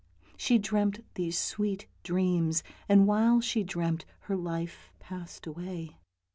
She dreamt these sweet dreams, and while she dreamt her life passed away.